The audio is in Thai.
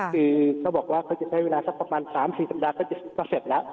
คือเขาบอกว่าเขาจะใช้เวลาสักประมาณ๓๔สัปดาห์ก็จะเสร็จแล้ว